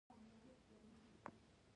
د ارزښت تر ټولو ساده شکل په دې ډول وو